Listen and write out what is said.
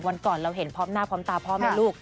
วันก่อนเราเห็นพร้อมหน้าพร้อมตาพ่อแม่ลูก